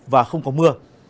và không có mưa